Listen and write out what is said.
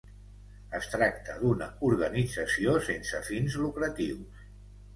Es tracta d’una organització sense fins lucratius.